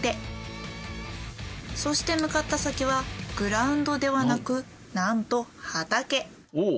そして向かった先はグラウンドではなくなんと畑。